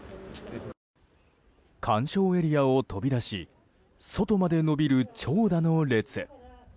鑑賞エリアを飛び出し外まで伸びる長蛇の列。